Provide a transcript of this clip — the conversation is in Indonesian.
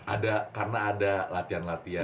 ada karena ada latihan latian